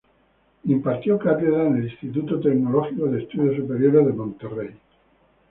Impartió cátedra en el Instituto Tecnológico y de Estudios Superiores de Monterrey.